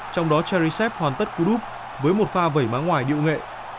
trong đó cheryshev hoàn tất cú đúp với một pha vẩy má ngoài điệu nghệ